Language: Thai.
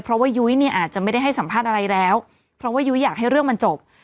เพราะว่ายุ้ยเนี่ยอาจจะไม่ได้ให้สัมภาษณ์อะไรแล้วเพราะว่ายุ้ยอยากให้เรื่องมันจบ